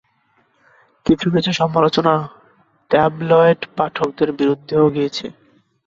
কিছু কিছু সমালোচনা ট্যাবলয়েড পাঠকদের বিরুদ্ধেও গিয়েছে।